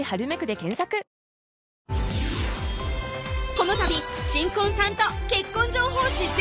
このたび新婚さんと結婚情報誌